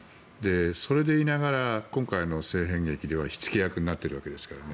それでいいながら今回の政変劇では火付け役になっているわけですから。